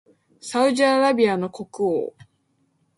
サウジアラビアの国王